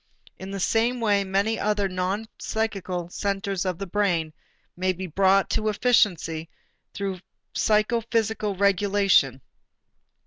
In the same way many other non psychical centers of the brain may be brought to efficiency through psychophysical regulation.